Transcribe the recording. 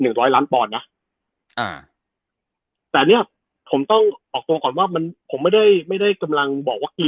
ร้อยล้านปอนด์นะอ่าแต่เนี้ยผมต้องออกตัวก่อนว่ามันผมไม่ได้ไม่ได้กำลังบอกว่ากี่